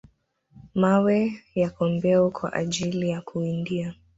mawe ya kombeo kwa ajili ya kuwindia